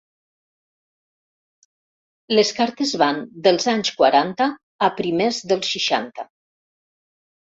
Les cartes van dels anys quaranta a primers dels seixanta.